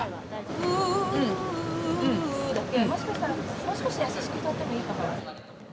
「Ｕｈ」だけもしかしたらもう少し優しく歌ってもいいかも。